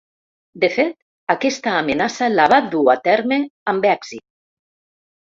De fet, aquesta amenaça la van dur a terme amb èxit.